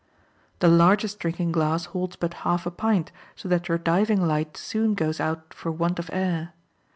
The largest drinking glass holds but half a pint, so that your diving light soon goes out for want of air.